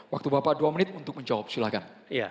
waktu bapak dua menit untuk menjawab silahkan